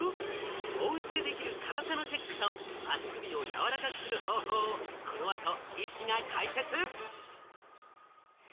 おうちでできる硬さのチェックと足首を柔らかくする方法をこの後、医師が解説。